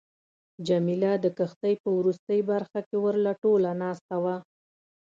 جميله د کښتۍ په وروستۍ برخه کې ورله ټوله ناسته وه.